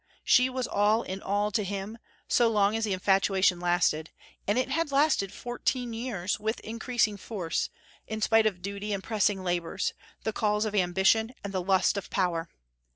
She was all in all to him, so long as the infatuation lasted; and it had lasted fourteen years, with increasing force, in spite of duty and pressing labors, the calls of ambition and the lust of power.